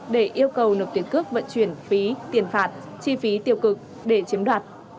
để yêu cầu nộp tiền cước vận chuyển phí tiền phạt chi phí tiêu cực để chiếm đoạt